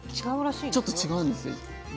ちょっと違うんです色によって。